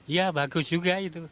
ya bagus juga itu